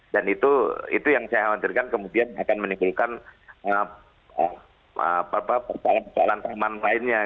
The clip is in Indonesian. dan itu yang saya wajarkan kemudian akan menimbulkan percayaan percayaan teman lainnya